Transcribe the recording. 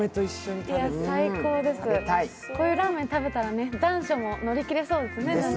こういうラーメン食べたら残暑も乗り切れそうですね。